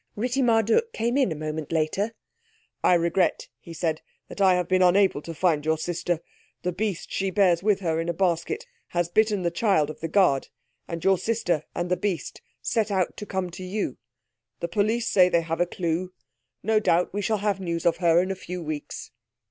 Ritti Marduk came in a moment later. "I regret," he said, "that I have been unable to find your sister. The beast she bears with her in a basket has bitten the child of the guard, and your sister and the beast set out to come to you. The police say they have a clue. No doubt we shall have news of her in a few weeks."